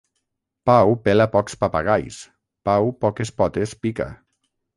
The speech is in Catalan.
Pau pela pocs papagais; Pau poques potes pica.